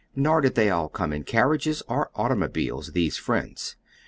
Nor did they all come in carriages or automobiles these friends.